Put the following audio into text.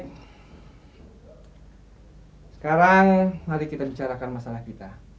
sekarang mari kita bicarakan masalah kita